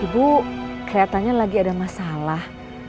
ibu kelihatannya lagi ada masalah